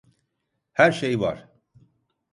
Her şey var.